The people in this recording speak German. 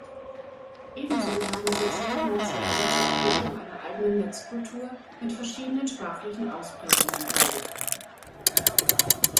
Ebenso haben soziale Netzwerke zur Entwicklung einer eigenen Netzkultur mit verschiedenen sprachlichen Ausprägungen beigetragen.